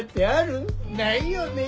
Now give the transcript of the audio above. ないよねえ。